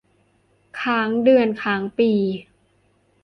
ค้างเดือนค้างปี